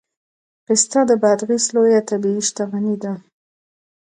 پسته د بادغیس لویه طبیعي شتمني ده